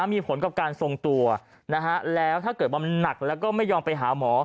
มีผลกับการทรงตัวแล้วถ้าเกิดว่ามันหนักแล้วก็ไม่ยอมไปหาหมอ